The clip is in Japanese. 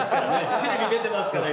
テレビ出てますから今。